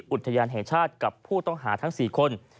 อุทยานแห่งชาติกับผู้ต้องหาทั้ง๔คน